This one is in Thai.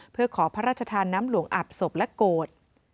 เพื่อขอพระราชทานน้ำหลวงอาบศพและโกรธ